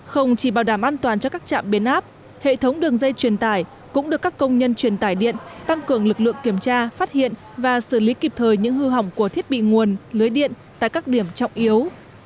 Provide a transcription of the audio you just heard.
không chỉ bảo đảm an toàn cho các trạm biến áp hệ thống đường dây truyền tải cũng được các công nhân truyền tải điện tăng cường lực lượng kiểm tra phát hiện và xử lý kịp thời những hư hỏng của thiết bị nguồn lưới điện tại các điểm trọng yếu